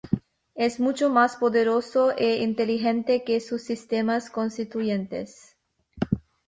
Es mucho más poderoso e inteligente que sus sistemas constituyentes.